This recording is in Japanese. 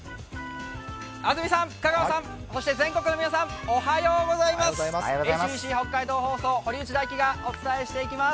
安住さん、香川さん、そして全国の皆さんおはようございます。